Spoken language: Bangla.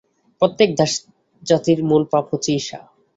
প্রত্যেক দাসজাতির মূল পাপ হচ্ছে ঈর্ষা।